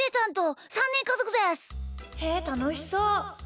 へえたのしそう！